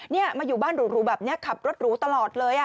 นี่มาอยู่บ้านหรูแบบนี้ขับรถหรูตลอดเลย